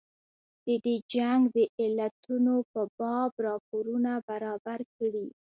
د دې جنګ د علتونو په باب راپورونه برابر کړي.